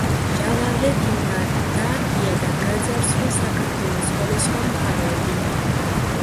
ჯალალედინმა დაარბია და გაძარცვა საქართველოს სხვადასხვა მხარეები.